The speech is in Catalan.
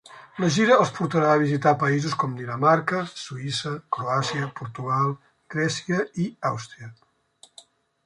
La gira els portarà a visitar països com Dinamarca, Suïssa, Croàcia, Portugal, Grècia i Àustria.